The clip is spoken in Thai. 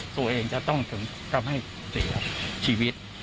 ตัวเองจะต้องถึงทำให้เสียชีวิต